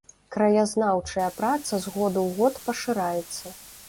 Краязнаўчая праца з году ў год пашыраецца.